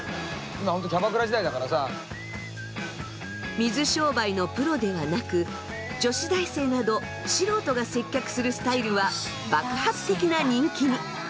水商売のプロではなく女子大生など素人が接客するスタイルは爆発的な人気に。